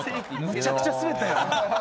むちゃくちゃスベったんやろな。